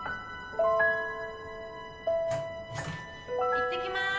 「いってきます」